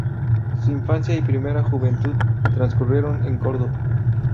Su infancia y primera juventud transcurrieron en Córdoba.